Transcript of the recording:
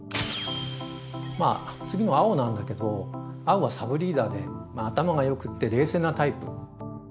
まあ次の青なんだけど青はサブリーダーで頭がよくって冷静なタイプ。